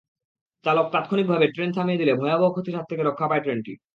চালক তাৎক্ষণিকভাবে ট্রেন থামিয়ে দিলে ভয়াবহ ক্ষতির হাত থেকে রক্ষা পায় ট্রেনটি।